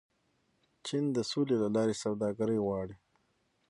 چین د سولې له لارې سوداګري غواړي.